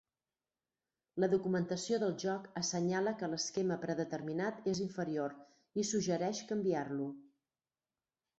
La documentació del joc assenyala que l'esquema predeterminat és inferior i suggereix canviar-lo.